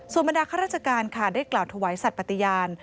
ส่วนบรรดาข้าราชการค่ะได้กล่าวถวายสัตว์ปฏิญาณ